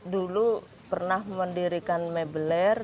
dulu pernah mendirikan mebeler